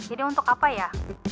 ini untuk apa ya